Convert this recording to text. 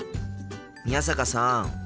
宮坂さん。